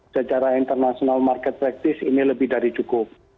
secara international market practice ini lebih dari cukup